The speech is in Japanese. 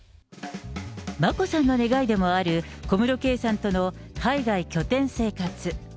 眞子さんの願いでもある、小室圭さんとの海外拠点生活。